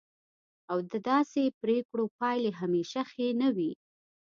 او د داسې پریکړو پایلې همیشه ښې نه وي.